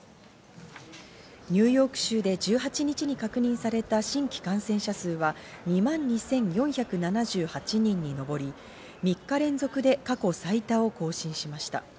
ニューヨーク州で１８日に確認された新規感染者数は２万２４７８人にのぼり、３日連続で過去最多を更新しました。